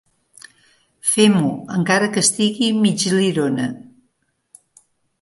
Fem-ho, encara que estigui mig lirona.